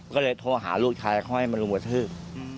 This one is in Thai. ก็เลยโทรหาลูกชายเขาให้มารุมกระทืบ